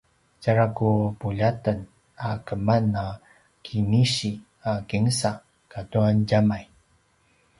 tjara ku puljaten a keman a kinisi a kinsa katua djamay